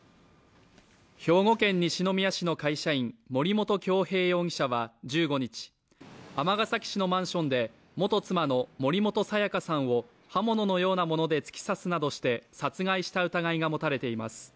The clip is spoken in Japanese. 兵庫県西宮市の会社員森本恭平容疑者は１５日、尼崎市のマンションで元妻の森本彩加さんを刃物のようなもので突き刺すなどして殺害した疑いが持たれています。